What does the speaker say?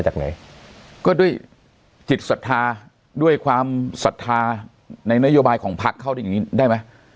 ก็ด้วยจิตศรัทธาด้วยความศรัทธาในนโยบายของภักดิ์เข้าได้ไหม